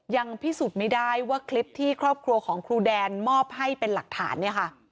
ยังพิสูจน์ไม่ได้ว่าคลิปที่ครอบครัวของครูแดนมอบให้เป็นหลักฐานเนี่ยค่ะ